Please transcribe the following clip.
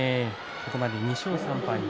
ここまで２勝３敗。